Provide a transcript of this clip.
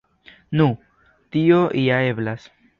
Nu, tio ja eblas.